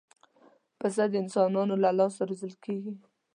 پسه د انسانانو له لاسه روزل کېږي.